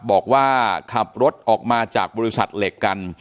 บอกว่าขับรถออกมาจากบริษัทเหล็กกัน